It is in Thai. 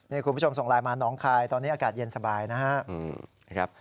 นี่คุณผู้ชมส่งไลน์มาน้องคายตอนนี้อากาศเย็นสบายนะครับ